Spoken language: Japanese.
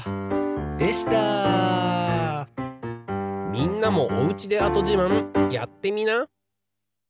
みんなもおうちで跡じまんやってみな。